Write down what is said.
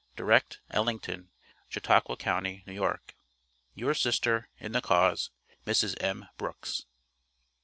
Direct, Ellington, Chautauqua county, N.Y. Your sister, in the cause, Mrs. M. BROOKS.